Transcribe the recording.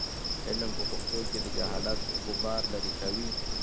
علم په پښتو کې د جهالت غبار لیرې کوي.